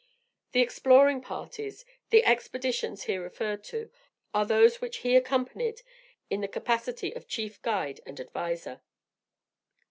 The exploring parties, and expeditions here referred to, are those which he accompanied in the capacity of chief guide and adviser.